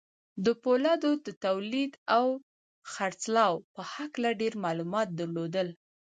د پولادو د توليد او خرڅلاو په هکله ډېر معلومات درلودل.